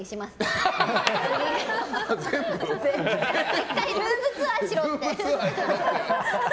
１回ルームツアーしろって。